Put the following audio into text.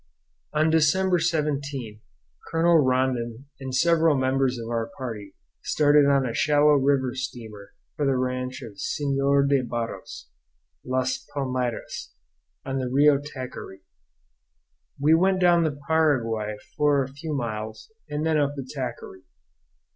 On December 17 Colonel Rondon and several members of our party started on a shallow river steamer for the ranch of Senhor de Barros, "Las Palmeiras," on the Rio Taquary. We went down the Paraguay for a few miles, and then up the Taquary.